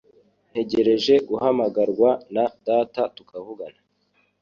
Ntegereje guhamagarwa na data tukavugana.